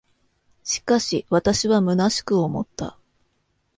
しかし、私は虚しく思った。